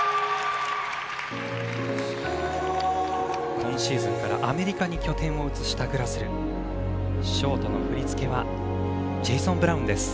今シーズンからアメリカに拠点を移したグラスルショートの振り付けはジェイソン・ブラウンです。